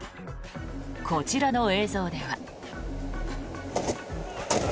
こちらの映像では。